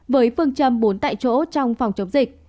với phương châm bốn tại chỗ trong phòng chống dịch